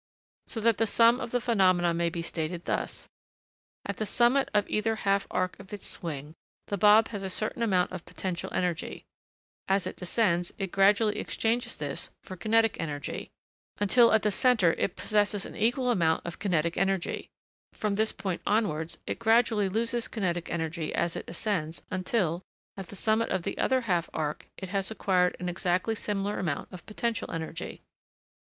So that the sum of the phenomena may be stated thus: At the summit of either half arc of its swing, the bob has a certain amount of potential energy; as it descends it gradually exchanges this for kinetic energy, until at the centre it possesses an equivalent amount of kinetic energy; from this point onwards, it gradually loses kinetic energy as it ascends, until, at the summit of the other half arc, it has acquired an exactly similar amount of potential energy.